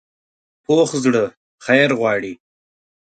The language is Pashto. پوخ زړه خیر غواړي